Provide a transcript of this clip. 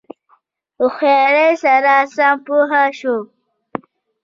هوښیاری سره سم پوه شو.